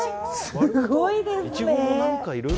すごいですね。